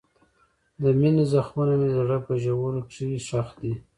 د مینې زخمونه مې د زړه په ژورو کې ښخ دي.